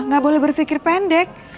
nggak boleh berpikir pendek